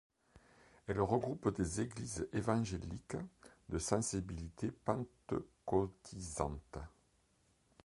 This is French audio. Elle regroupe des Églises évangéliques de sensibilité pentecôtisante.